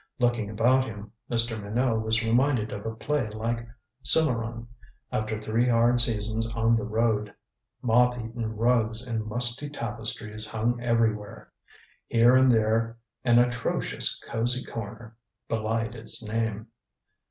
Looking about him, Mr. Minot was reminded of a play like Sumurun after three hard seasons on the road. Moth eaten rugs and musty tapestries hung everywhere. Here and there an atrocious cozy corner belied its name.